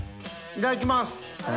いただきます。